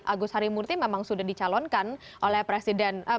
agus hari murti memang sudah dicalonkan oleh presiden